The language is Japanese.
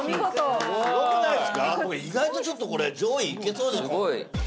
意外とちょっとこれ上位いけそう。